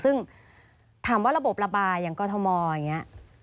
ซึ่งถามว่าระบบระบายอย่างกรทมอย่างนี้